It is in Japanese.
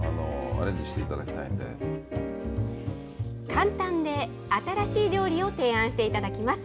簡単で新しい料理を提案していただきます。